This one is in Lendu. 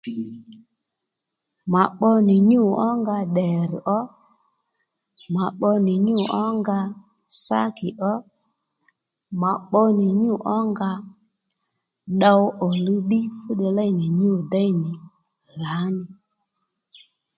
Mà pbo nì nyû ónga ddèrr ó mà pbo nì nyû ónga sákì ó mà pbo nì nyû ónga mà ddow òluw ddí fúddiy léy nì nyû déy lǎní